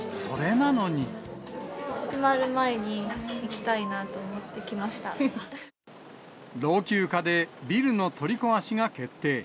なくなる前に行きたいなと思老朽化で、ビルの取り壊しが決定。